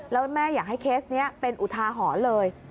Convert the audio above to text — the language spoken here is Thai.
แล้วแม่อยากให้เคสนี้เป็นอุทาหรณ์เลย